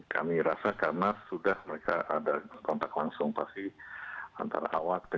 kami rasa karena sudah mereka ada kontak langsung pasti antara awak